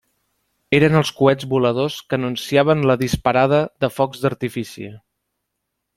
Eren els coets voladors que anunciaven la disparada de focs d'artifici.